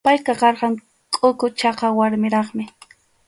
Payqa karqan kʼuku chaka warmiraqmi.